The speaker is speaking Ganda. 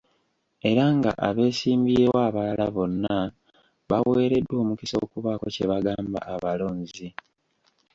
Era nga abeesimbyewo abalala bonna bawereddwa omukisa okubaako kye bagamba abalonzi.